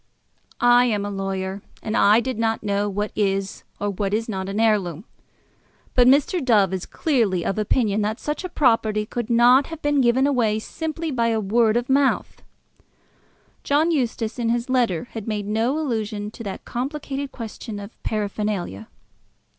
"I am a lawyer, and I did not know what is or what is not an heirloom. But Mr. Dove is clearly of opinion that such a property could not have been given away simply by word of mouth." John Eustace in his letter had made no allusion to that complicated question of paraphernalia.